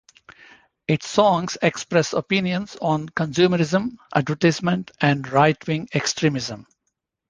Its songs express opinions on consumerism, advertisement and right-wing extremism.